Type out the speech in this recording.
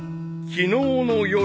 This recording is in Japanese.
［昨日の夜］